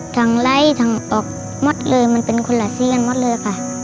ไลค์ทั้งออกหมดเลยมันเป็นคนละสีกันหมดเลยค่ะ